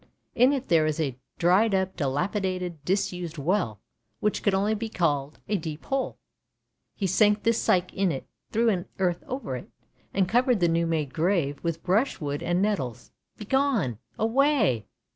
In it there was a dried up, dilapidated, disused well, which could only be called a deep hole; he sank this Psyche in it, threw in earth over it, and covered the new made grave with brushwood and nettles. " Begone! away!